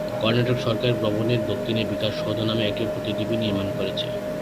কর্ণাটক সরকার ভবনের দক্ষিণে বিকাশ সৌধ নামে একটি প্রতিলিপি নির্মাণ করেছে।